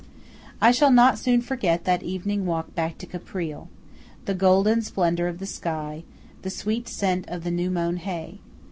I shall not soon forget that evening walk back to Caprile–the golden splendour of the sky–the sweet scent of the new mown hay.